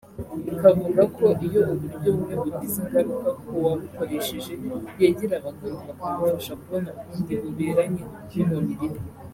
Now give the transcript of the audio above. ikavuga ko iyo uburyo bumwe bugize ingaruka ku wabukoresheje yegera abaganga bakamufasha kubona ubundi buberanye n’umubiri we